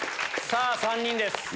さぁ３人です。